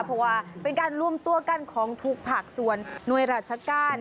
เพราะว่าเป็นการรวมตัวกันของทุกภาคส่วนหน่วยราชการ